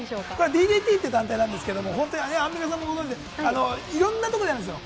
ＤＤＴという団体なんですけれども、アンミカさんもご存じで、いろんなことやるんですよ。